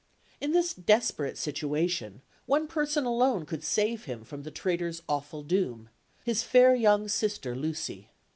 In this desperate situation, one person alone could save him from the traitor's awful doom his fair young sister, Lucy.